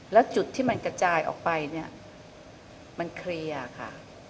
แล้วจุดที่มันกระจายออกไปเนี่ยมันเคลียร์ค่ะ